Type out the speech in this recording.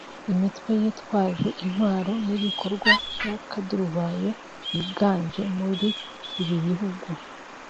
imitwe yitwaje intwaro n’ibikorwa by’akaduruvayo byiganje muri ibi bihugu